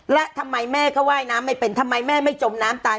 และทำไมแม่เขาว่ายน้ำไม่เป็นทำไมแม่ไม่จมน้ำตาย